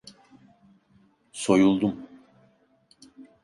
Soyuldum…